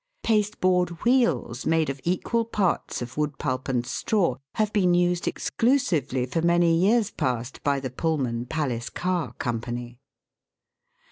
Pasteboard wheels, made of equal parts of wood pulp and straw, have been used exclusively for many years past by the Pullman Palace Car Company.